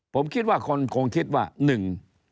ผมคิดว่าคนคงคิดว่าหนึ่ง